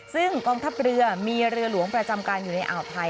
ซึ่งกองทัพเรือมีเรือหลวงประจำการอยู่ในอ่าวไทย